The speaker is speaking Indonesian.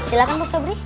silahkan koso bri